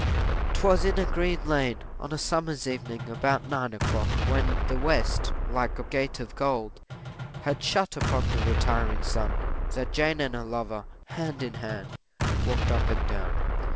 'Twas in a green lane, on a summer's evening, about nine o'clock, when the west, like a gate of gold, had shut upon the retiring sun, that Jane and her lover, hand in hand, walked up and down.